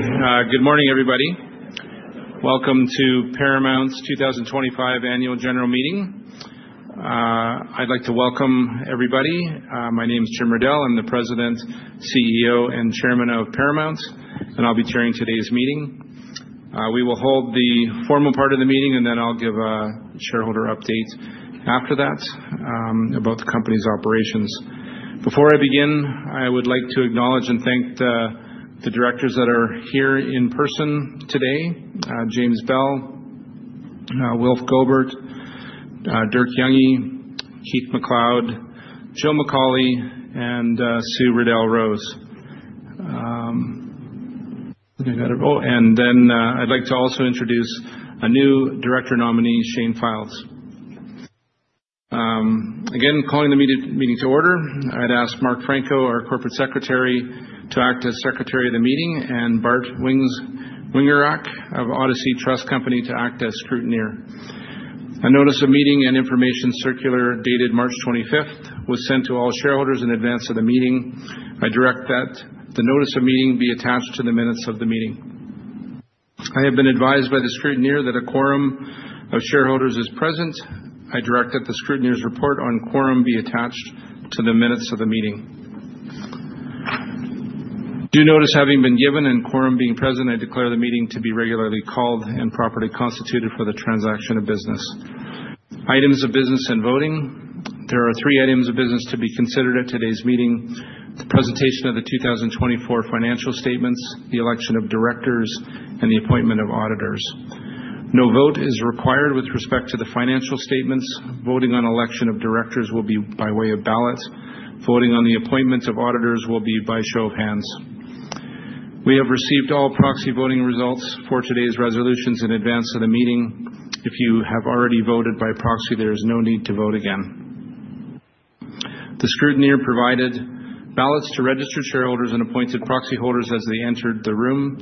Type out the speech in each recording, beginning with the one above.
Good morning, everybody. Welcome to Paramount's 2025 Annual General Meeting. I'd like to welcome everybody. My name is Jim Riddell. I'm the President, CEO, and Chairman of Paramount, and I'll be chairing today's meeting. We will hold the formal part of the meeting, and then I'll give a shareholder update after that about the company's operations. Before I begin, I would like to acknowledge and thank the directors that are here in person today: James Byrnes, Wilf Gobert, Dirk Jungé, Keith MacLeod, Joe McAuley, and Susan Riddell Rose. I would also like to introduce a new director nominee, Shane Fildes. Calling the meeting to order, I'd ask Mark Franco, our Corporate Secretary, to act as Secretary of the Meeting, and Bart Wingirak of Odyssey Trust Company to act as Scrutineer. A notice of meeting and information circular dated March 25th was sent to all shareholders in advance of the meeting. I direct that the notice of meeting be attached to the minutes of the meeting. I have been advised by the Scrutineer that a quorum of shareholders is present. I direct that the Scrutineer's report on quorum be attached to the minutes of the meeting. Due notice having been given and quorum being present, I declare the meeting to be regularly called and properly constituted for the transaction of business. Items of business and voting: there are three items of business to be considered at today's meeting: the presentation of the 2024 financial statements, the election of directors, and the appointment of auditors. No vote is required with respect to the financial statements. Voting on election of directors will be by way of ballot. Voting on the appointment of auditors will be by show of hands. We have received all proxy voting results for today's resolutions in advance of the meeting. If you have already voted by proxy, there is no need to vote again. The Scrutineer provided ballots to registered shareholders and appointed proxy holders as they entered the room.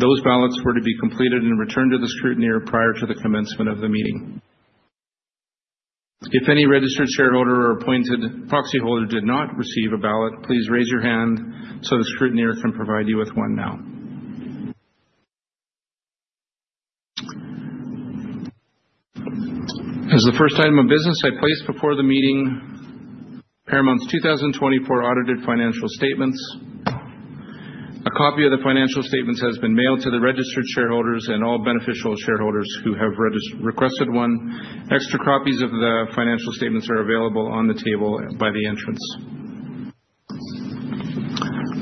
Those ballots were to be completed and returned to the Scrutineer prior to the commencement of the meeting. If any registered shareholder or appointed proxy holder did not receive a ballot, please raise your hand so the Scrutineer can provide you with one now. As the first item of business, I place before the meeting Paramount's 2024 audited financial statements. A copy of the financial statements has been mailed to the registered shareholders and all beneficial shareholders who have requested one. Extra copies of the financial statements are available on the table by the entrance.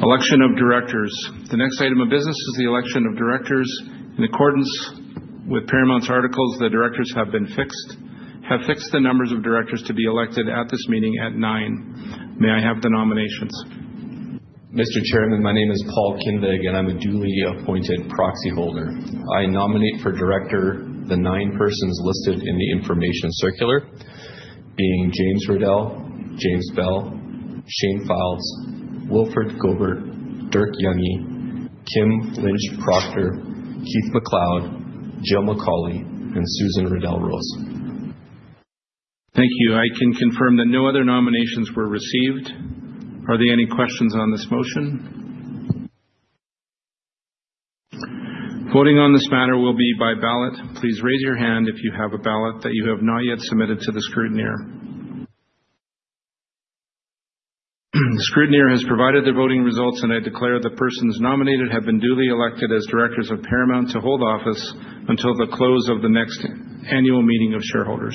Election of directors. The next item of business is the election of directors. In accordance with Paramount's articles, the directors have fixed the number of directors to be elected at this meeting at nine. May I have the nominations? Mr. Chairman, my name is Paul Kinvig, and I'm a duly appointed proxy holder. I nominate for director the nine persons listed in the information circular, being James Riddell, James Byrnes, Shane Fildes, Wilfred Gobert, Dirk Jungé, Kim Lynch Proctor, Keith MacLeod, Jill McAuley, and Susan Riddell Rose. Thank you. I can confirm that no other nominations were received. Are there any questions on this motion? Voting on this matter will be by ballot. Please raise your hand if you have a ballot that you have not yet submitted to the Scrutineer. The Scrutineer has provided the voting results, and I declare the persons nominated have been duly elected as directors of Paramount to hold office until the close of the next annual meeting of shareholders.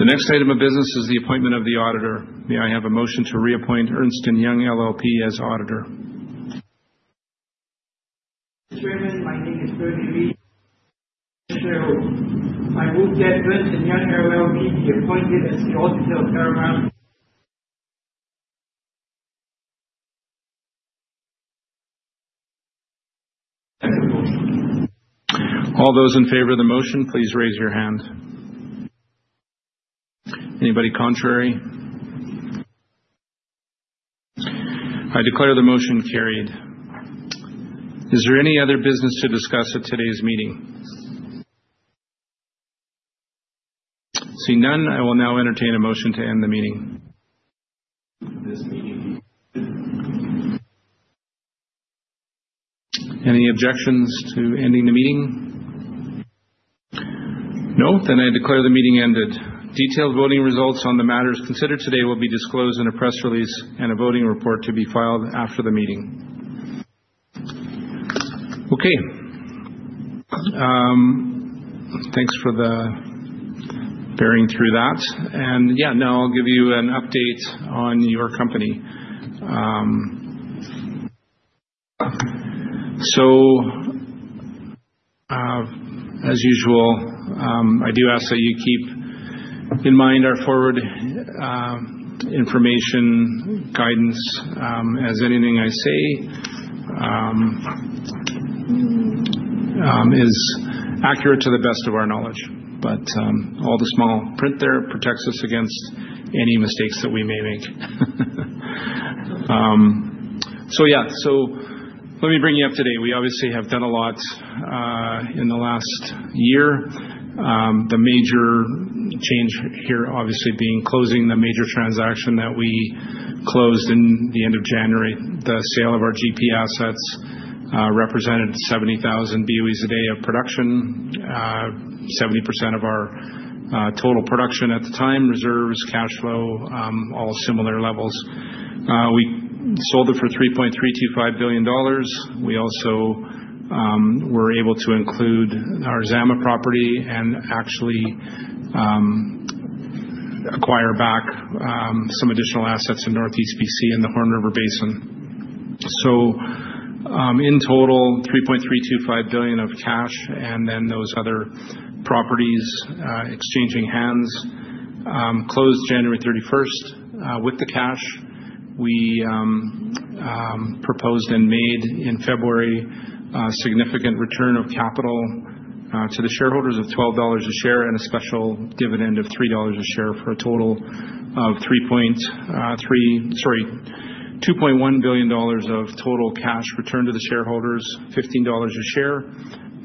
The next item of business is the appointment of the auditor. May I have a motion to reappoint Ernst & Young LLP as auditor? Chairman, my name is Bernie Reed. I move that Ernst & Young LLP be appointed as the auditor of Paramount. Second the motion. All those in favor of the motion, please raise your hand. Anybody contrary? I declare the motion carried. Is there any other business to discuss at today's meeting? Seeing none, I will now entertain a motion to end the meeting. This meeting be adjourned. Any objections to ending the meeting? No? I declare the meeting ended. Detailed voting results on the matters considered today will be disclosed in a press release and a voting report to be filed after the meeting. Okay. Thanks for bearing through that. Yeah, now I'll give you an update on your company. As usual, I do ask that you keep in mind our forward information guidance as anything I say is accurate to the best of our knowledge. All the small print there protects us against any mistakes that we may make. Let me bring you up to date. We obviously have done a lot in the last year. The major change here, obviously, being closing the major transaction that we closed in the end of January. The sale of our GP assets represented 70,000 BOE a day of production, 70% of our total production at the time, reserves, cash flow, all similar levels. We sold it for 3.325 billion dollars. We also were able to include our Zama property and actually acquire back some additional assets in Northeast BC in the Horn River Basin. In total, 3.325 billion of cash and then those other properties exchanging hands closed January 31st with the cash. We proposed and made in February a significant return of capital to the shareholders of 12 dollars a share and a special dividend of 3 dollars a share for a total of 2.1 billion dollars of total cash returned to the shareholders, 15 dollars a share.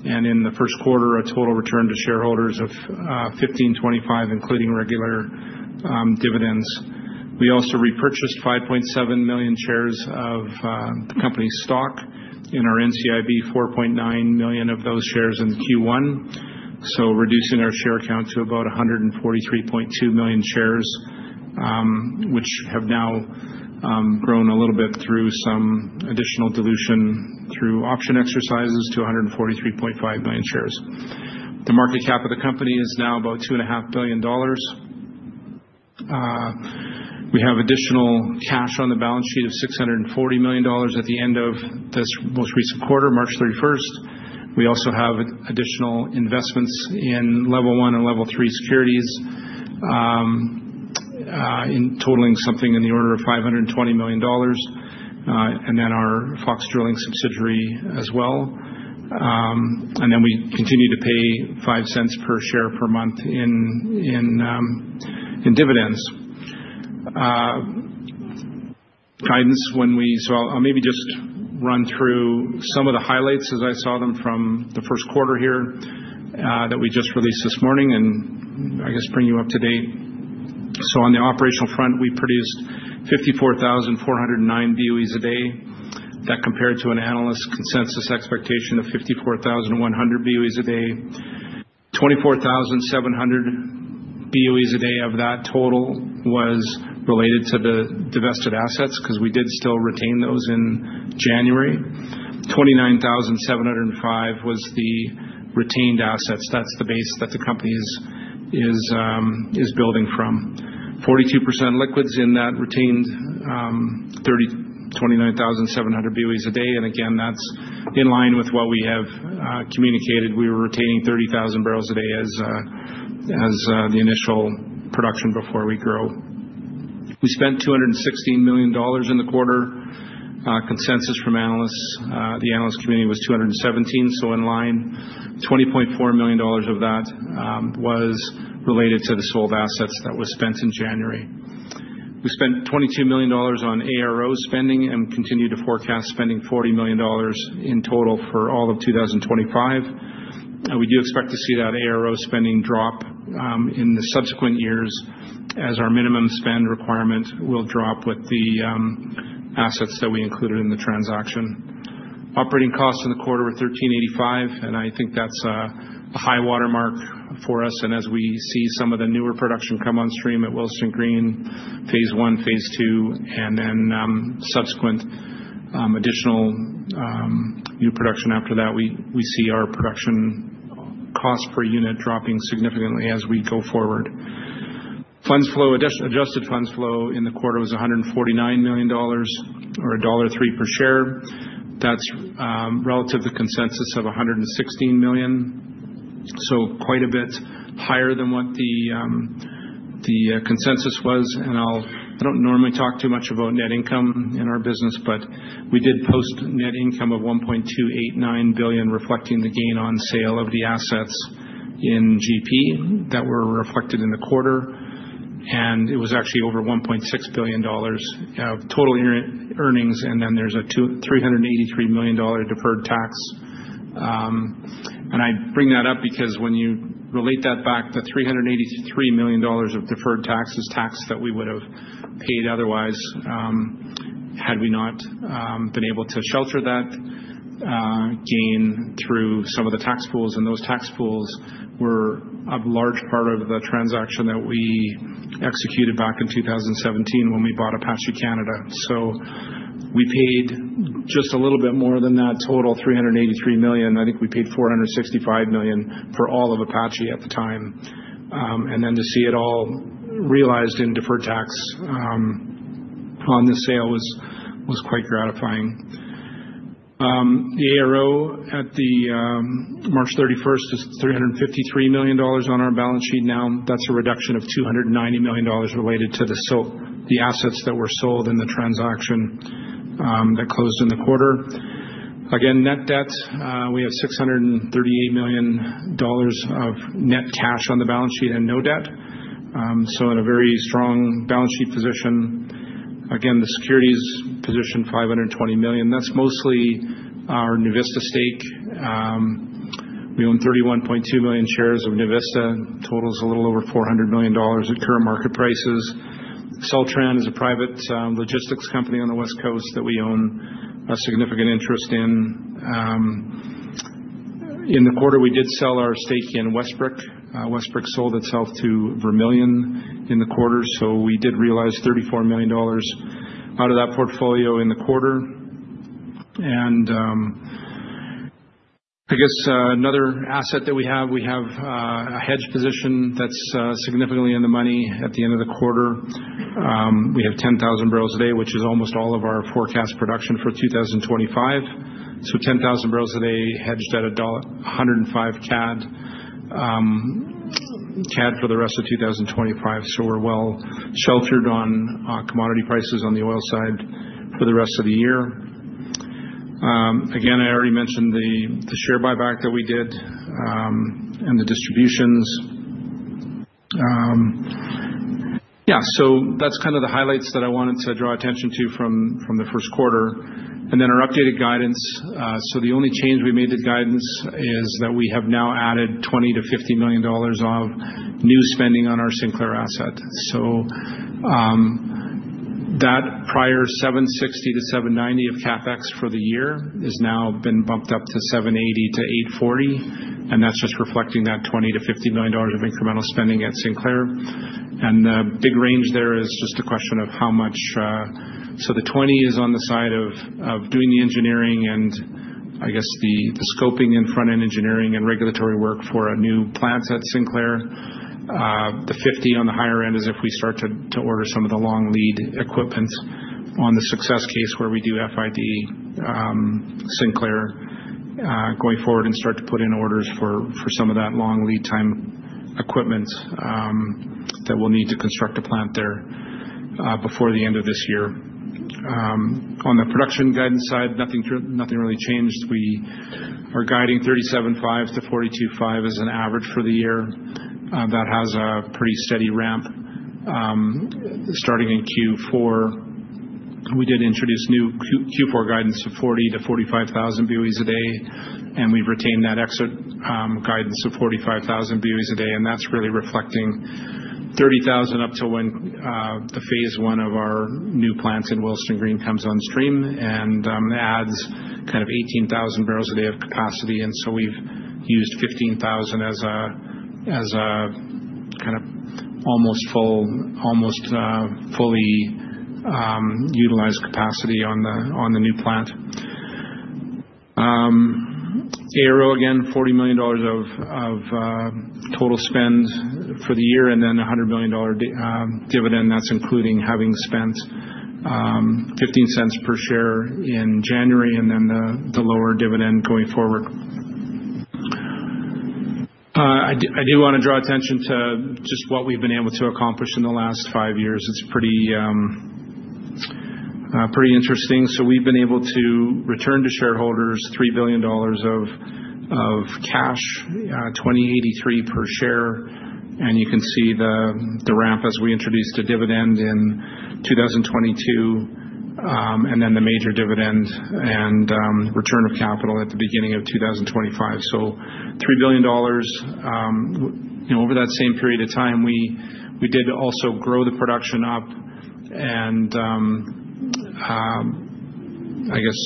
In the first quarter, a total return to shareholders of 15.25, including regular dividends. We also repurchased 5.7 million shares of the company's stock in our NCIB, 4.9 million of those shares in Q1. Reducing our share count to about 143.2 million shares, which have now grown a little bit through some additional dilution through option exercises to 143.5 million shares. The market cap of the company is now about 2.5 billion dollars. We have additional cash on the balance sheet of 640 million dollars at the end of this most recent quarter, March 31st. We also have additional investments in Level 1 and Level 3 securities totaling something in the order of 520 million dollars, and then our Fox Drilling subsidiary as well. We continue to pay 0.05 per share per month in dividends. I'll maybe just run through some of the highlights as I saw them from the first quarter here that we just released this morning and, I guess, bring you up to date. On the operational front, we produced 54,409 BOEs a day. That compared to an analyst consensus expectation of 54,100 BOEs a day. 24,700 BOEs a day of that total was related to the divested assets because we did still retain those in January. 29,705 was the retained assets. That's the base that the company is building from. 42% liquids in that retained 29,700 BOEs a day. Again, that's in line with what we have communicated. We were retaining 30,000 barrels a day as the initial production before we grow. We spent 216 million dollars in the quarter. Consensus from analysts, the analyst committee was 217 million, so in line. 20.4 million dollars of that was related to the sold assets that were spent in January. We spent 22 million dollars on ARO spending and continue to forecast spending 40 million dollars in total for all of 2025. We do expect to see that ARO spending drop in the subsequent years as our minimum spend requirement will drop with the assets that we included in the transaction. Operating costs in the quarter were 1,385, and I think that's a high watermark for us. As we see some of the newer production come on stream at Willesden Green, phase I, phase II, and then subsequent additional new production after that, we see our production cost per unit dropping significantly as we go forward. Funds flow, adjusted funds flow in the quarter was 149 million dollars or dollar 1.03 per share. That's relative to consensus of 116 million. Quite a bit higher than what the consensus was. I don't normally talk too much about net income in our business, but we did post net income of 1.289 billion, reflecting the gain on sale of the assets in GP that were reflected in the quarter. It was actually over 1.6 billion dollars of total earnings. There is a 383 million dollar deferred tax. I bring that up because when you relate that back, the 383 million dollars of deferred tax is tax that we would have paid otherwise had we not been able to shelter that gain through some of the tax pools. Those tax pools were a large part of the transaction that we executed back in 2017 when we bought Apache Canada. We paid just a little bit more than that total, 383 million. I think we paid 465 million for all of Apache at the time. To see it all realized in deferred tax on the sale was quite gratifying. The ARO at March 31st is 353 million dollars on our balance sheet now. That is a reduction of 290 million dollars related to the assets that were sold in the transaction that closed in the quarter. Again, net debt, we have 638 million dollars of net cash on the balance sheet and no debt. In a very strong balance sheet position. The securities position, 520 million. That is mostly our NuVista stake. We own 31.2 million shares of NuVista. Total is a little over 400 million dollars at current market prices. Celtran is a private logistics company on the West Coast that we own a significant interest in. In the quarter, we did sell our stake in Westbrook. Westbrook sold itself to Vermilion in the quarter. We did realize 34 million dollars out of that portfolio in the quarter. I guess another asset that we have, we have a hedge position that's significantly in the money at the end of the quarter. We have 10,000 barrels a day, which is almost all of our forecast production for 2025. 10,000 barrels a day hedged at dollar 105 for the rest of 2025. We are well sheltered on commodity prices on the oil side for the rest of the year. Again, I already mentioned the share buyback that we did and the distributions. Yeah, that's kind of the highlights that I wanted to draw attention to from the first quarter. Then our updated guidance. The only change we made to guidance is that we have now added 20 million-50 million dollars of new spending on our Sinclair asset. That prior 760 million-790 million of CapEx for the year has now been bumped up to 780 million-840 million. That is just reflecting that 20 million-50 million dollars of incremental spending at Sinclair. The big range there is just a question of how much. The 20 million is on the side of doing the engineering and, I guess, the scoping and front-end engineering and regulatory work for new plants at Sinclair. The 50 on the higher end is if we start to order some of the long lead equipment on the success case where we do FID Sinclair going forward and start to put in orders for some of that long lead time equipment that we'll need to construct a plant there before the end of this year. On the production guidance side, nothing really changed. We are guiding 37.5-42.5 as an average for the year. That has a pretty steady ramp starting in Q4. We did introduce new Q4 guidance of 40,000-45,000 BOEs a day. We have retained that exit guidance of 45,000 BOEs a day. That is really reflecting 30,000 up to when the phase I of our new plants in Willesden Green comes on stream. That adds kind of 18,000 barrels a day of capacity. We have used 15,000 as a kind of almost fully utilized capacity on the new plant. ARO, again, 40 million dollars of total spend for the year and then 100 million dollar dividend. That is including having spent 0.15 per share in January and then the lower dividend going forward. I do want to draw attention to just what we have been able to accomplish in the last five years. It is pretty interesting. We have been able to return to shareholders 3 billion dollars of cash, 20.83 per share. You can see the ramp as we introduced a dividend in 2022 and then the major dividend and return of capital at the beginning of 2025. Three billion dollars over that same period of time, we did also grow the production up and, I guess,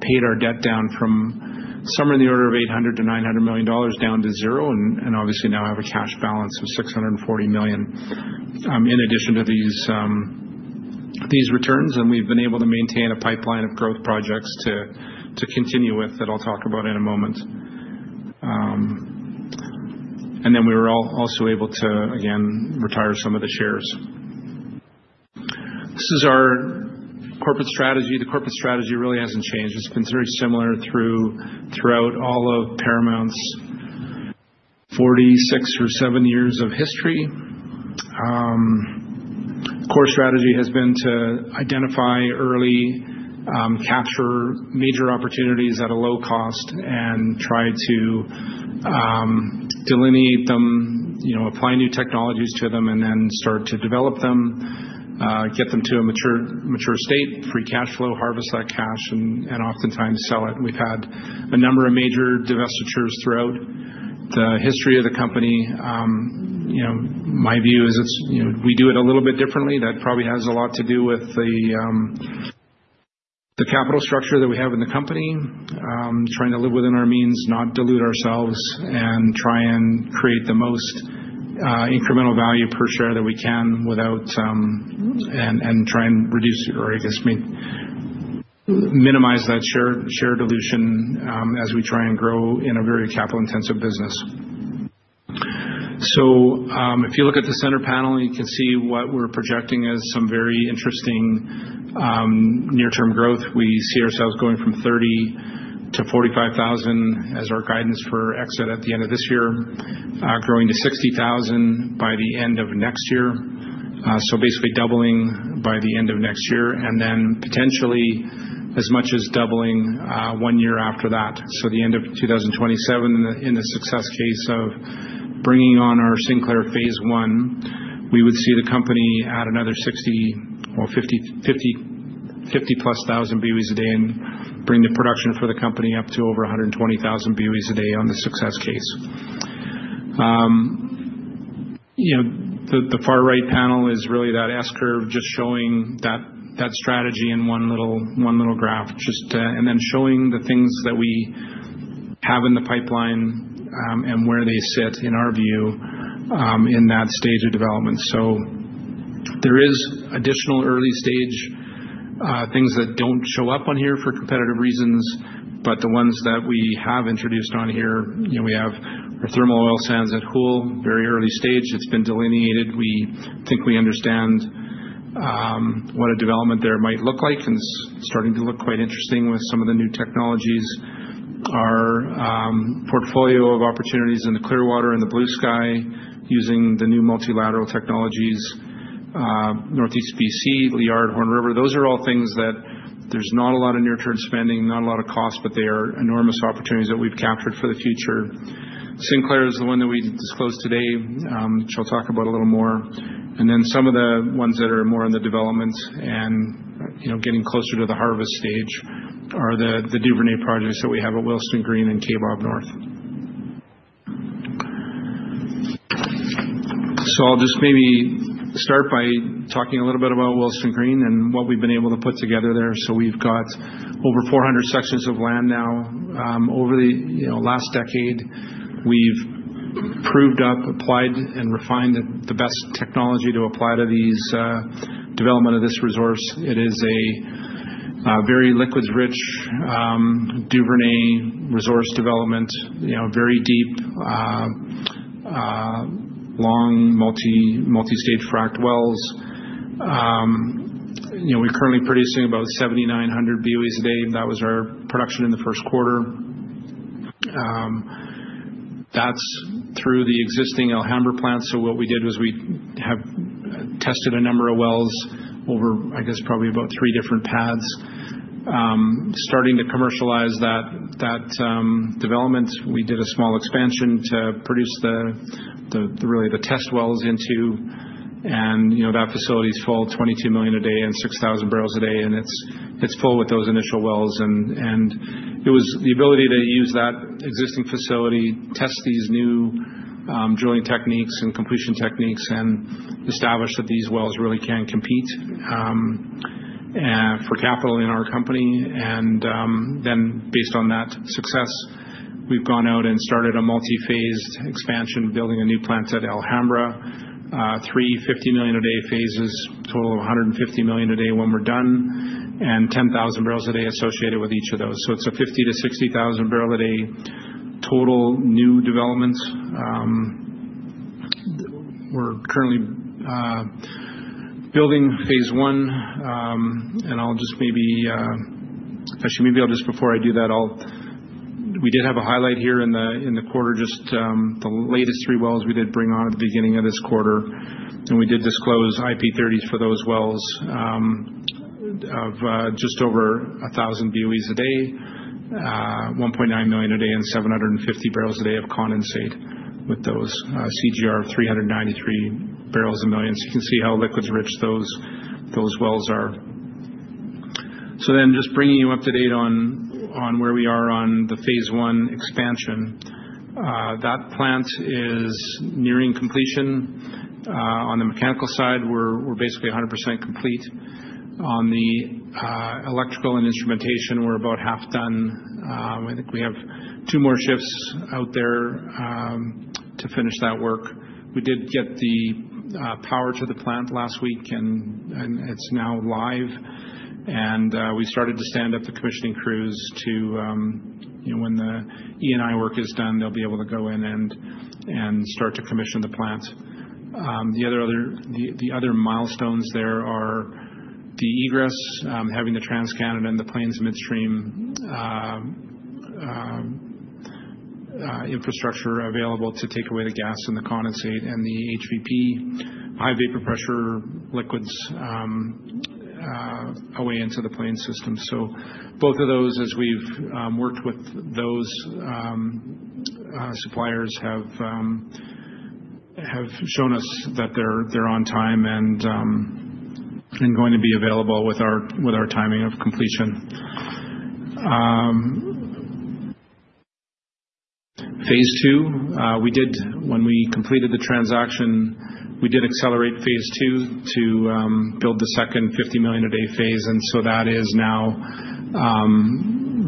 paid our debt down from somewhere in the order of 800 million-100 million dollars down to zero and obviously now have a cash balance of 640 million in addition to these returns. We have been able to maintain a pipeline of growth projects to continue with that I'll talk about in a moment. We were also able to, again, retire some of the shares. This is our corporate strategy. The corporate strategy really has not changed. It has been very similar throughout all of Paramount's 46 or 47 years of history. Core strategy has been to identify early, capture major opportunities at a low cost, and try to delineate them, apply new technologies to them, and then start to develop them, get them to a mature state, free cash flow, harvest that cash, and oftentimes sell it. We've had a number of major divestitures throughout the history of the company. My view is we do it a little bit differently. That probably has a lot to do with the capital structure that we have in the company, trying to live within our means, not dilute ourselves, and try and create the most incremental value per share that we can without and try and reduce or, I guess, minimize that share dilution as we try and grow in a very capital-intensive business. If you look at the center panel, you can see what we're projecting as some very interesting near-term growth. We see ourselves going from 30,000 - 45,000 as our guidance for exit at the end of this year, growing to 60,000 by the end of next year. Basically doubling by the end of next year and then potentially as much as doubling one year after that. The end of 2027, in the success case of bringing on our Sinclair phase I, we would see the company add another 60,000 or 50,000+ BOEs a day and bring the production for the company up to over 120,000 BOEs a day on the success case. The far right panel is really that S curve just showing that strategy in one little graph, and then showing the things that we have in the pipeline and where they sit in our view in that stage of development. There is additional early-stage things that do not show up on here for competitive reasons, but the ones that we have introduced on here, we have our thermal oil sands at Hull, very early stage. It has been delineated. We think we understand what a development there might look like and starting to look quite interesting with some of the new technologies. Our portfolio of opportunities in the Clearwater and the Bluesky using the new multilateral technologies, Northeast BC, Liard, Horn River. Those are all things that there is not a lot of near-term spending, not a lot of cost, but they are enormous opportunities that we have captured for the future. Sinclair is the one that we disclosed today. She will talk about it a little more. Then some of the ones that are more in the development and getting closer to the harvest stage are the Duvernay projects that we have at Willesden Green and Karr Bob North. I'll just maybe start by talking a little bit about Willesden Green and what we have been able to put together there. We have over 400 sections of land now. Over the last decade, we have proved up, applied, and refined the best technology to apply to the development of this resource. It is a very liquids-rich Duvernay resource development, very deep, long, multi-stage fract wells. We are currently producing about 7,900 BOE a day. That was our production in the first quarter. That is through the existing Alhambra plant. What we did was we have tested a number of wells over, I guess, probably about three different pads. Starting to commercialize that development, we did a small expansion to produce really the test wells into. That facility is full at 22 million a day and 6,000 barrels a day. It is full with those initial wells. It was the ability to use that existing facility, test these new drilling techniques and completion techniques, and establish that these wells really can compete for capital in our company. Based on that success, we have gone out and started a multi-phased expansion, building a new plant at Alhambra, three 50 million a day phases, total of 150 million a day when we are done, and 10,000 a day associated with each of those. It is a 50,000-60,000 barrel a day total new development. We are currently building phase I. I'll just maybe actually, maybe I'll just before I do that, we did have a highlight here in the quarter, just the latest three wells we did bring on at the beginning of this quarter. We did disclose IP30s for those wells of just over 1,000 BOEs a day, 1.9 million a day, and 750 barrels a day of condensate with those CGR of 393 barrels a million. You can see how liquids-rich those wells are. Just bringing you up to date on where we are on the phase I expansion. That plant is nearing completion. On the mechanical side, we're basically 100% complete. On the electrical and instrumentation, we're about half done. I think we have two more shifts out there to finish that work. We did get the power to the plant last week, and it's now live. We started to stand up the commissioning crews to when the E&I work is done, they'll be able to go in and start to commission the plant. The other milestones there are the egress, having the TC Energy and the Plains Midstream Canada infrastructure available to take away the gas and the condensate and the HVP, high vapor pressure liquids, away into the Plains system. Both of those, as we've worked with those suppliers, have shown us that they're on time and going to be available with our timing of completion. Phase II, when we completed the transaction, we did accelerate phase II to build the second 50 million a day phase. That is now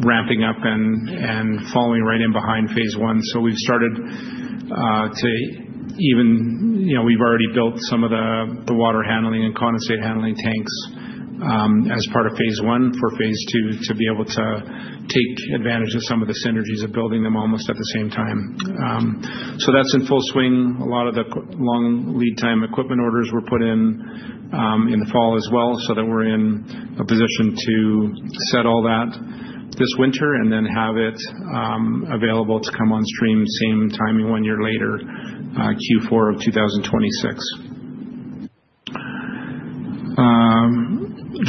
ramping up and following right in behind phase I. We have started to, even, we have already built some of the water handling and condensate handling tanks as part of phase I for phase II to be able to take advantage of some of the synergies of building them almost at the same time. That is in full swing. A lot of the long lead time equipment orders were put in in the fall as well so that we are in a position to set all that this winter and then have it available to come on stream same timing one year later, Q4 of 2026.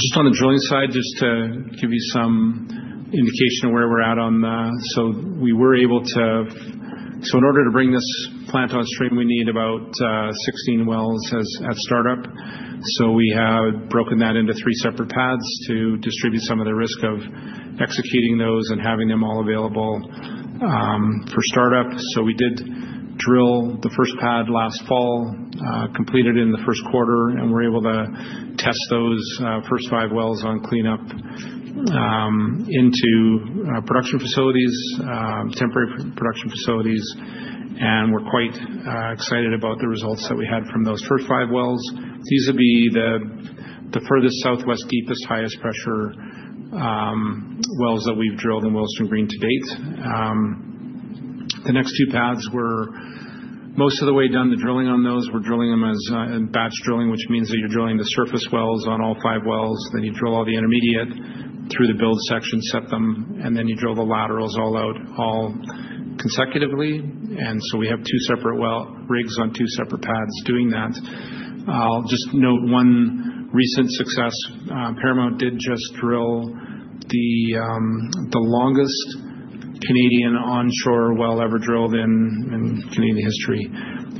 Just on the drilling side, just to give you some indication of where we are at on the, so we were able to, so in order to bring this plant on stream, we need about 16 wells at startup. We have broken that into three separate pads to distribute some of the risk of executing those and having them all available for startup. We did drill the first pad last fall, completed in the first quarter, and we were able to test those first five wells on cleanup into production facilities, temporary production facilities. We are quite excited about the results that we had from those first five wells. These would be the furthest southwest, deepest, highest pressure wells that we have drilled in Willesden Green to date. The next two pads, we are most of the way done the drilling on those. We are drilling them as batch drilling, which means that you are drilling the surface wells on all five wells. Then you drill all the intermediate through the build section, set them, and then you drill the laterals all out all consecutively. We have two separate rigs on two separate pads doing that. I'll just note one recent success. Paramount did just drill the longest Canadian onshore well ever drilled in Canadian history,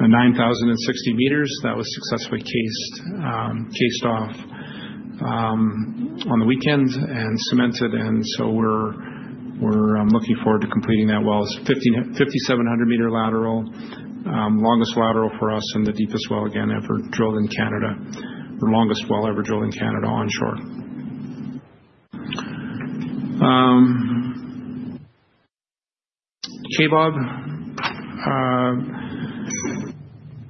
9,060 meters. That was successfully cased off on the weekend and cemented. We're looking forward to completing that well. It's a 5,700-meter lateral, longest lateral for us, and the deepest well again ever drilled in Canada, or longest well ever drilled in Canada onshore. K-Bob, I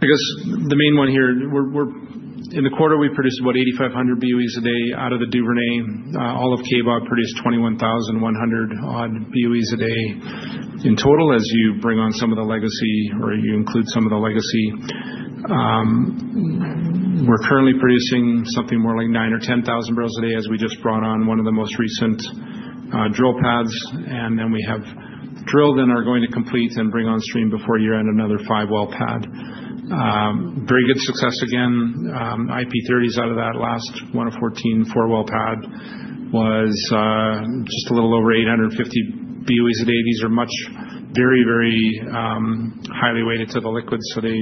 guess the main one here, in the quarter, we produced about 8,500 BOEs a day out of the Duvernay. All of K-Bob produced 21,100 odd BOEs a day in total as you bring on some of the legacy or you include some of the legacy. We're currently producing something more like 9 or 10 thousand barrels a day as we just brought on one of the most recent drill pads. We have drilled and are going to complete and bring on stream before year-end another five well pad. Very good success again. IP30s out of that last one of 14, four well pad was just a little over 850 BOE a day. These are very, very highly weighted to the liquid. They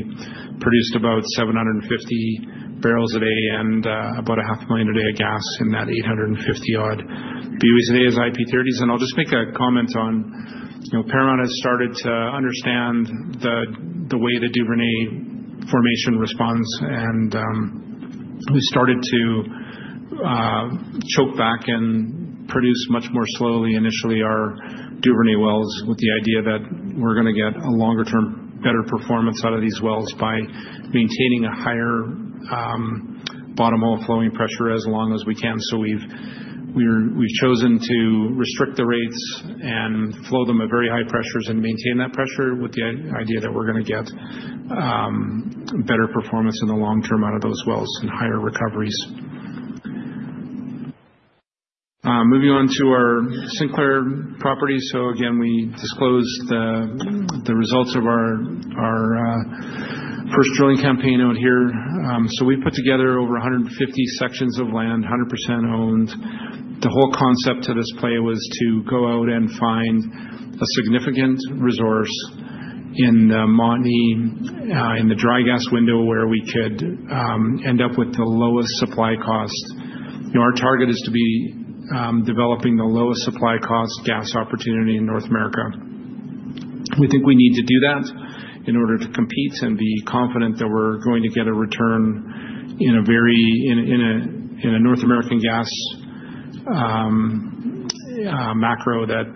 produced about 750 barrels a day and about 500,000 a day of gas in that 850 odd BOE a day as IP30s. I'll just make a comment on Paramount has started to understand the way the Duvernay formation responds. We started to choke back and produce much more slowly initially our Duvernay wells with the idea that we're going to get a longer-term better performance out of these wells by maintaining a higher bottom hole flowing pressure as long as we can. We have chosen to restrict the rates and flow them at very high pressures and maintain that pressure with the idea that we're going to get better performance in the long term out of those wells and higher recoveries. Moving on to our Sinclair property. Again, we disclosed the results of our first drilling campaign out here. We put together over 150 sections of land, 100% owned. The whole concept to this play was to go out and find a significant resource in the dry gas window where we could end up with the lowest supply cost. Our target is to be developing the lowest supply cost gas opportunity in North America. We think we need to do that in order to compete and be confident that we're going to get a return in a North American gas macro that,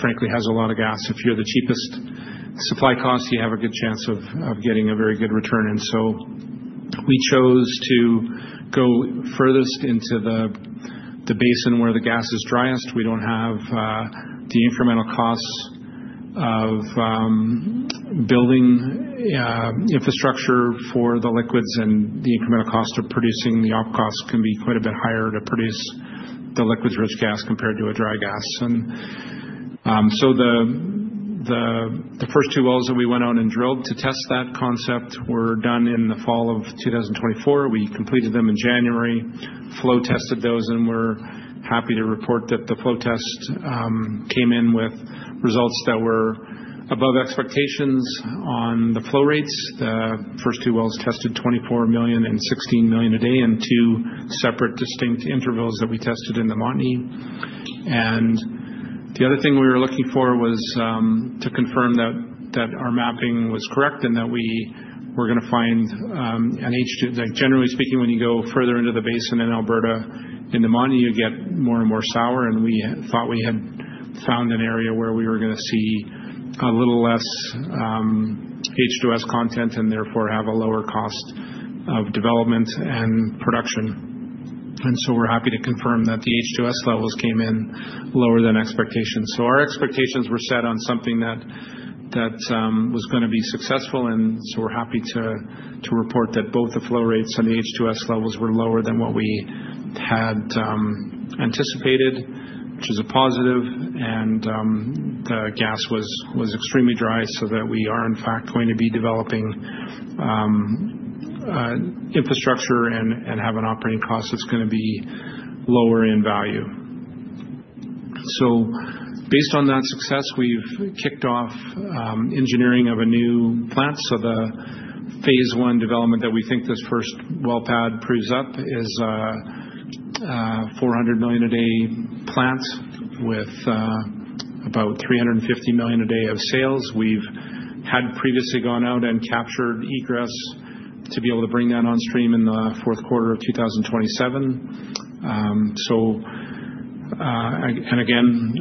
frankly, has a lot of gas. If you're the cheapest supply cost, you have a good chance of getting a very good return. We chose to go furthest into the basin where the gas is driest. We don't have the incremental costs of building infrastructure for the liquids and the incremental cost of producing. The op costs can be quite a bit higher to produce the liquids-rich gas compared to a dry gas. The first two wells that we went on and drilled to test that concept were done in the fall of 2024. We completed them in January, flow tested those, and we're happy to report that the flow test came in with results that were above expectations on the flow rates. The first two wells tested 24 million and 16 million a day in two separate distinct intervals that we tested in the Montney. The other thing we were looking for was to confirm that our mapping was correct and that we were going to find an H2S. Generally speaking, when you go further into the basin in Alberta, in the Montney, you get more and more sour. We thought we had found an area where we were going to see a little less H2S content and therefore have a lower cost of development and production. We are happy to confirm that the H2S levels came in lower than expectations. Our expectations were set on something that was going to be successful. We are happy to report that both the flow rates and the H2S levels were lower than what we had anticipated, which is a positive. The gas was extremely dry so that we are, in fact, going to be developing infrastructure and have an operating cost that is going to be lower in value. Based on that success, we have kicked off engineering of a new plant. The phase I development that we think this first well pad proves up is a 400 million a day plant with about 350 million a day of sales. We had previously gone out and captured egress to be able to bring that on stream in the fourth quarter of 2027. Again,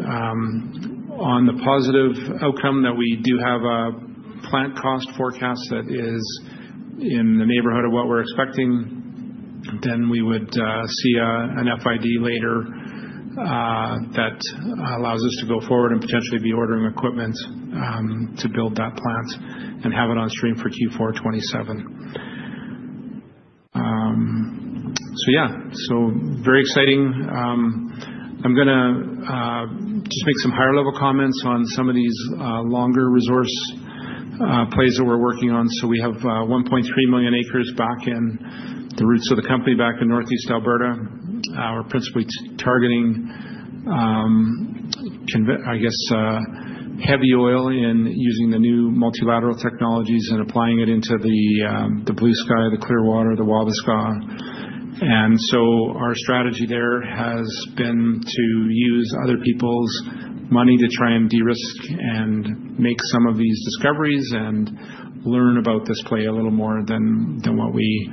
on the positive outcome that we do have a plant cost forecast that is in the neighborhood of what we're expecting, we would see an FID later that allows us to go forward and potentially be ordering equipment to build that plant and have it on stream for Q4 2027. Very exciting. I'm going to just make some higher-level comments on some of these longer resource plays that we're working on. We have 1.3 million acres back in the roots of the company back in Northeast Alberta. We're principally targeting, I guess, heavy oil using the new multilateral technologies and applying it into the Bluesky, the Clearwater, the Wabaska. Our strategy there has been to use other people's money to try and de-risk and make some of these discoveries and learn about this play a little more than what we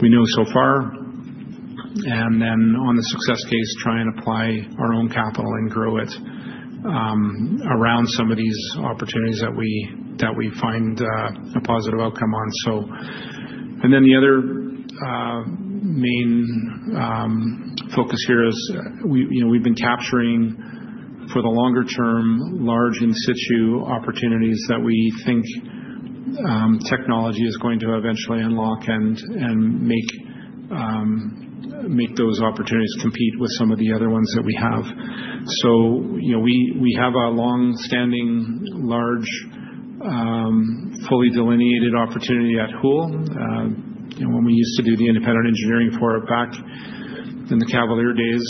know so far. In the success case, we try and apply our own capital and grow it around some of these opportunities that we find a positive outcome on. The other main focus here is we have been capturing for the longer-term large in situ opportunities that we think technology is going to eventually unlock and make those opportunities compete with some of the other ones that we have. We have a long-standing, large, fully delineated opportunity at Hull. When we used to do the independent engineering for it back in the Cavalier days,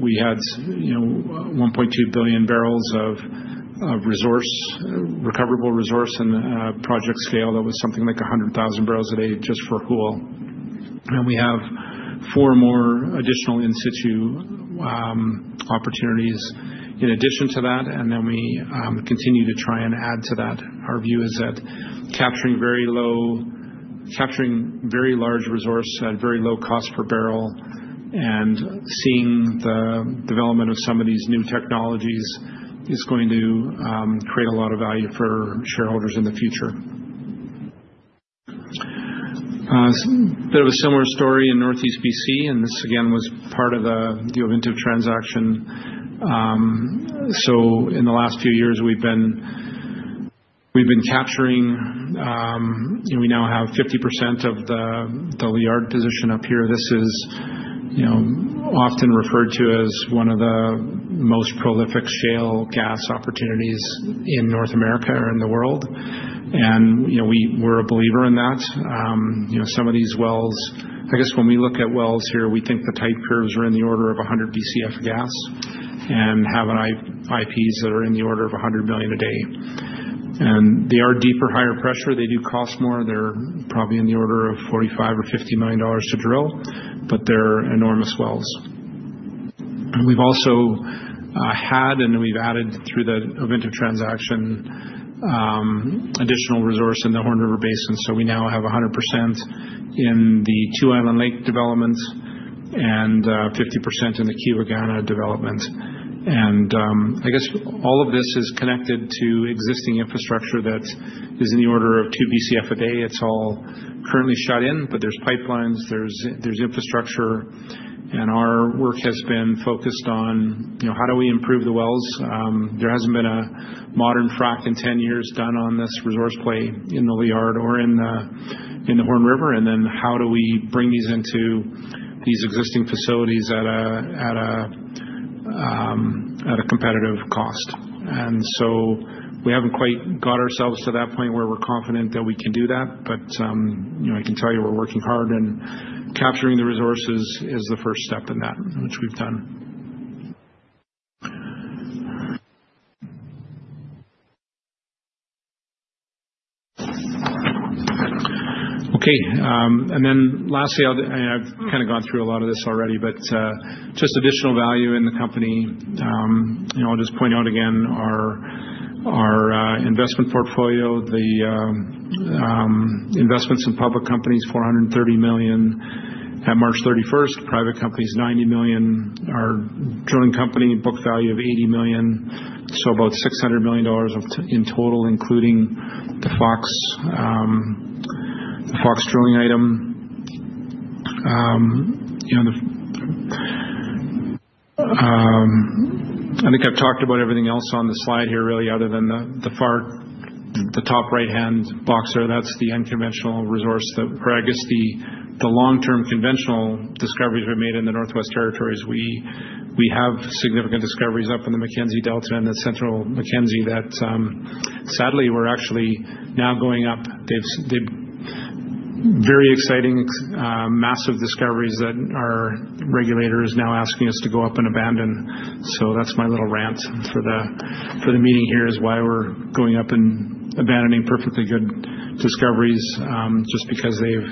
we had 1.2 billion barrels of recoverable resource and project scale. That was something like 100,000 barrels a day just for Hull. We have four more additional in situ opportunities in addition to that. We continue to try and add to that. Our view is that capturing very large resource at very low cost per barrel and seeing the development of some of these new technologies is going to create a lot of value for shareholders in the future. A bit of a similar story in Northeast BC, and this again was part of the Juventum transaction. In the last few years, we've been capturing, we now have 50% of the yard position up here. This is often referred to as one of the most prolific shale gas opportunities in North America or in the world. We're a believer in that. Some of these wells, I guess when we look at wells here, we think the type curves are in the order of 100 BCF gas and have IPs that are in the order of 100 million a day. They are deeper, higher pressure. They do cost more. They're probably in the order of 45 million-50 million dollars to drill, but they're enormous wells. We've also had, and we've added through the Juventum transaction, additional resource in the Horn River Basin. We now have 100% in the Two Island Lake development and 50% in the Key Wagana development. All of this is connected to existing infrastructure that is in the order of 2 BCF a day. It's all currently shut in, but there are pipelines, there is infrastructure. Our work has been focused on how do we improve the wells. There has not been a modern frac in 10 years done on this resource play in the Liard or in the Horn River. How do we bring these into these existing facilities at a competitive cost? We have not quite got ourselves to that point where we are confident that we can do that. I can tell you we are working hard, and capturing the resources is the first step in that, which we have done. Okay. Lastly, I have kind of gone through a lot of this already, but just additional value in the company. I will just point out again our investment portfolio, the investments in public companies, 430 million at March 31st, private companies, 90 million, our drilling company book value of 80 million. So about 600 million dollars in total, including the Fox Drilling item. I think I've talked about everything else on the slide here, really, other than the top right-hand box there. That's the unconventional resource that, or I guess the long-term conventional discoveries we've made in the Northwest Territories. We have significant discoveries up in the Mackenzie Delta and the central Mackenzie that, sadly, we're actually now going up. They're very exciting, massive discoveries that our regulator is now asking us to go up and abandon. That's my little rant for the meeting here is why we're going up and abandoning perfectly good discoveries just because they've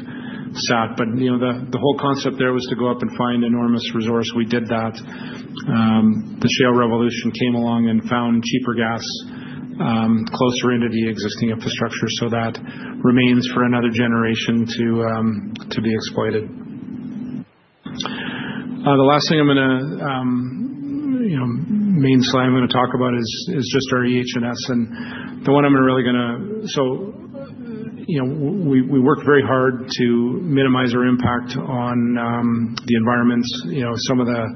sat. The whole concept there was to go up and find enormous resource. We did that. The shale revolution came along and found cheaper gas closer into the existing infrastructure so that remains for another generation to be exploited. The last thing I'm going to, main slide I'm going to talk about is just our EH&S. The one I'm really going to, so we worked very hard to minimize our impact on the environment. Some of the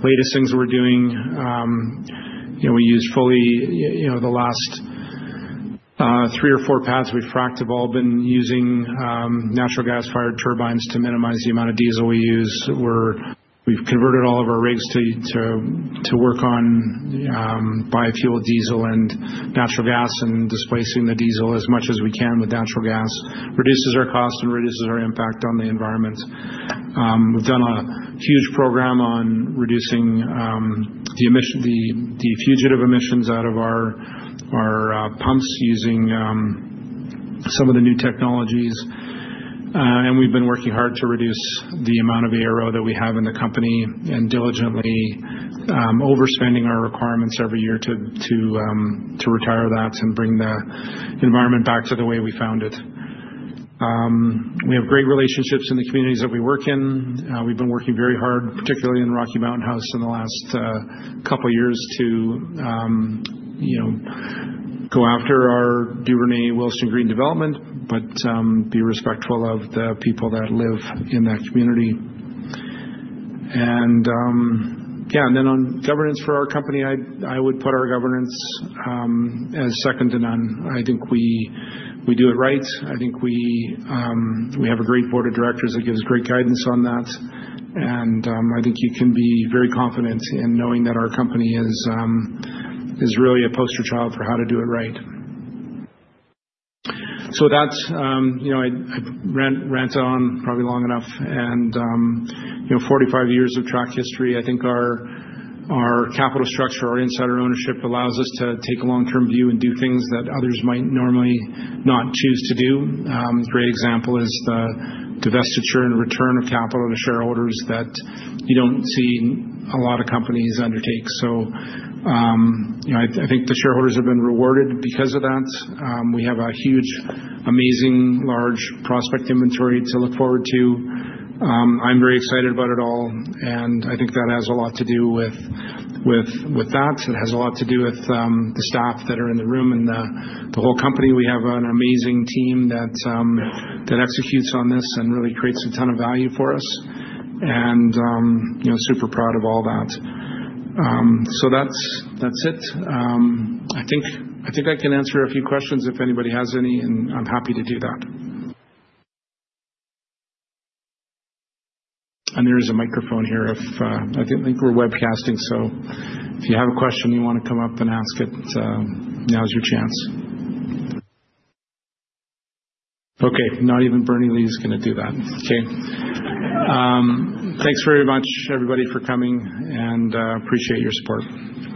latest things we're doing, we use fully, the last three or four pads we've fracked have all been using natural gas-fired turbines to minimize the amount of diesel we use. We've converted all of our rigs to work on biofuel diesel and natural gas and displacing the diesel as much as we can with natural gas. Reduces our cost and reduces our impact on the environment. We've done a huge program on reducing the fugitive emissions out of our pumps using some of the new technologies. We have been working hard to reduce the amount of ARO that we have in the company and diligently overspending our requirements every year to retire that and bring the environment back to the way we found it. We have great relationships in the communities that we work in. We have been working very hard, particularly in Rocky Mountain House in the last couple of years to go after our Willesden Green development, but be respectful of the people that live in that community. On governance for our company, I would put our governance as second to none. I think we do it right. I think we have a great board of directors that gives great guidance on that. I think you can be very confident in knowing that our company is really a poster child for how to do it right. I rant on probably long enough. 45 years of track history, I think our capital structure, our insider ownership allows us to take a long-term view and do things that others might normally not choose to do. A great example is the divestiture and return of capital to shareholders that you do not see a lot of companies undertake. I think the shareholders have been rewarded because of that. We have a huge, amazing, large prospect inventory to look forward to. I am very excited about it all. I think that has a lot to do with that. It has a lot to do with the staff that are in the room and the whole company. We have an amazing team that executes on this and really creates a ton of value for us. I am super proud of all that. That is it. I think I can answer a few questions if anybody has any, and I'm happy to do that. There is a microphone here. I think we're webcasting, so if you have a question you want to come up and ask it, now's your chance. Okay. Not even Bernie Reed is going to do that. Okay. Thanks very much, everybody, for coming, and appreciate your support.